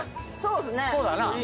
こうだな。